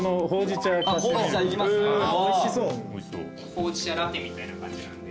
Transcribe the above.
ほうじ茶ラテみたいな感じなんで。